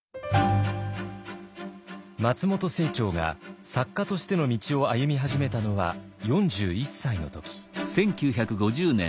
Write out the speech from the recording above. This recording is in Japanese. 松本清張が作家としての道を歩み始めたのは４１歳の時。